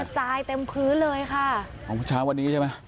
จายเต็มพื้นเลยค่ะของเช้าวันนี้ใช่ไหม